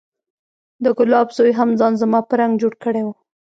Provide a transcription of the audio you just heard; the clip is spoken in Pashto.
د ګلاب زوى هم ځان زما په رنګ جوړ کړى و.